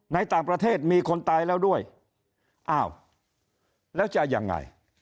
ในต่างประเทศมีคนตายแล้วด้วยอ้าวแล้วจะยังไง